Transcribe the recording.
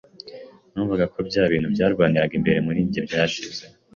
Numvaga bya bintu byarwaniraga imbere muri jye byashize.